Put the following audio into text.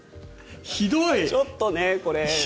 ちょっとこれは。